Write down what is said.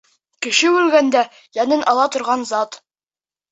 Кеше үлгәндә йәнен ала торған зат.